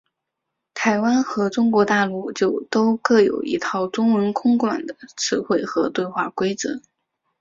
台湾和中国大陆就都各有一套中文空管的词汇和对话规则。